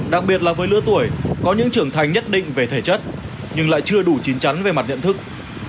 đặc biệt là với lứa tuổi có những trưởng thành nhất định về thể chất nhưng lại chưa đủ chín chắn về mặt nhận thức